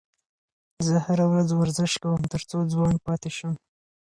زه هره ورځ ورزش کوم تر څو ځوان پاتې شم.